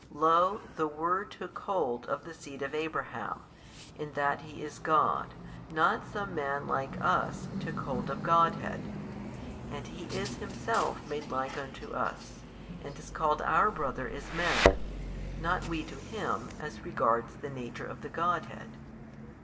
Lo the Word took hold of the seed of Abraham, in that He is God, not some man like us took hold of Godhead, and He is Himself made like unto us, and is called our Brother as Man, not we to Him as regards the Nature of the Godhead.